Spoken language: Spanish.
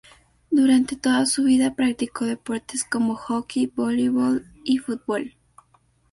Durante toda su vida practicó deportes como hockey, voleibol y fútbol.